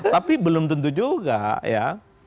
tapi belum tentu juga ya